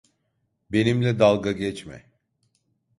Benimle dalga geçme.